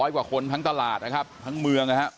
กว่าคนทั้งตลาดนะครับทั้งเมืองนะครับ